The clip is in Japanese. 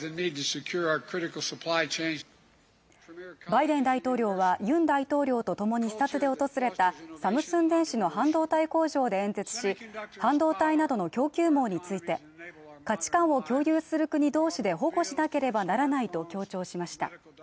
バイデン大統領はユン大統領とともに視察で訪れたサムスン電子の半導体工場で演説し半導体などの供給網について価値観を共有する国同士で保護しなければならないと強調しました。